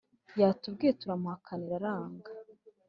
Yatubwiye turamuhakanira aranga.